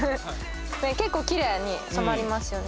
結構きれいに染まりますよね